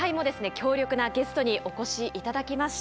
強力なゲストにお越し頂きました。